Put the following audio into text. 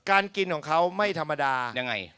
กินของเขาไม่ธรรมดายังไง